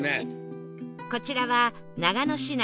こちらは長野市内